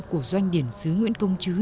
của doanh điển sứ nguyễn công chứ